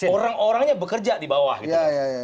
orang orangnya bekerja di bawah gitu